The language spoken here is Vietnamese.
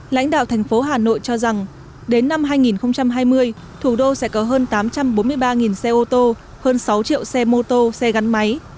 lãnh đạo thành phố hà nội cho rằng đến năm hai nghìn hai mươi thủ đô sẽ có hơn tám trăm bốn mươi ba xe ô tô hơn sáu triệu xe mô tô xe gắn máy